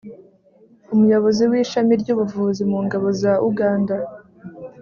umuyobozi w'ishami ry'ubuvuzi mu ngabo za uganda,